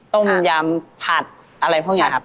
ต้มยำผัดอะไรพวกนี้ครับ